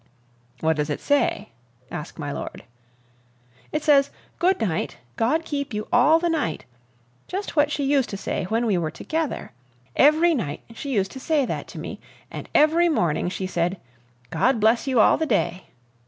"What does it say?" asked my lord. "It says, 'Good night, God keep you all the night!' just what she used to say when we were together. Every night she used to say that to me, and every morning she said, 'God bless you all the day!'